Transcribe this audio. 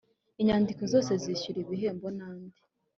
inyandiko zose zishyuza ibihembo n’andi